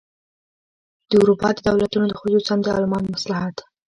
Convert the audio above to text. د اروپا د دولتونو او خصوصاً د المان مصلحت.